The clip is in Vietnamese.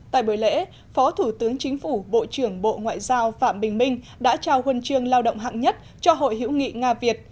tại buổi lễ phó thủ tướng chính phủ bộ trưởng bộ ngoại giao phạm bình minh đã trao huân chương lao động hạng nhất cho hội hữu nghị nga việt